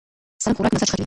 سالم خوراک مزاج ښه کوي.